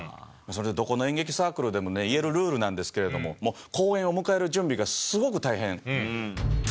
どこの演劇サークルでもね言えるルールなんですけれどももう公演を迎える準備がすごく大変。